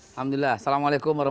alhamdulillah assalamualaikum wr wb